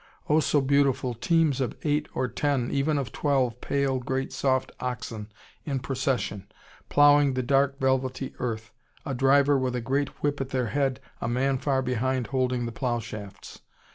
Oh, so beautiful, teams of eight, or ten, even of twelve pale, great soft oxen in procession, ploughing the dark velvety earth, a driver with a great whip at their head, a man far behind holding the plough shafts.